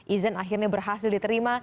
izan akhirnya berhasil diterima